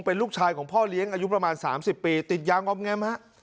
เป็นลูกชายของพ่อเลี้ยงอายุประมาณ๓๐ปีติดยางงอมแงมฮะ